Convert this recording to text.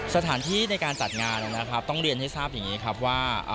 สถานที่ในการจัดงานนะครับต้องเรียนให้ทราบอย่างนี้ครับว่า